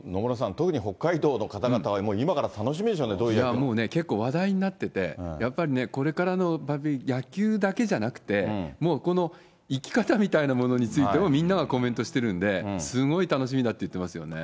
もうね、結構話題になってて、やっぱりね、これからの野球だけじゃなくて、もう、この生き方みたいなものについても、みんながコメントしてるんで、すごい楽しみだって言ってますよね。